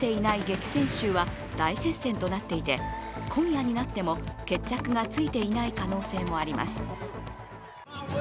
激戦州は大接戦となっていて今夜になっても決着がついていない可能性もあります。